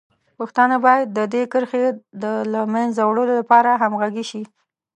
پښتانه باید د دې کرښې د له منځه وړلو لپاره همغږي شي.